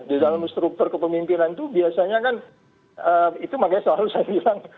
di dalam struktur kepemimpinan itu biasanya kan itu makanya selalu saya bilang